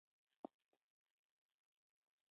د ملالۍ لنډۍ به په هر ځای کې اورېدلې کېدلې.